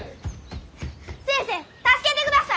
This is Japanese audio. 先生助けてください！